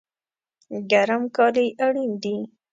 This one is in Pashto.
ګرم کالی اړین دي